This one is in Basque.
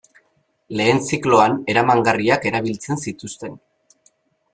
Lehen zikloan eramangarriak erabiltzen zituzten.